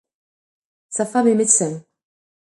Sa femme est médecin.